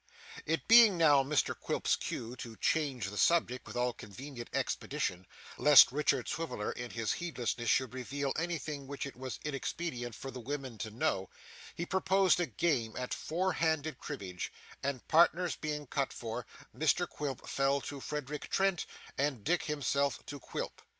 It being now Mr Quilp's cue to change the subject with all convenient expedition, lest Richard Swiveller in his heedlessness should reveal anything which it was inexpedient for the women to know, he proposed a game at four handed cribbage, and partners being cut for, Mrs Quilp fell to Frederick Trent, and Dick himself to Quilp.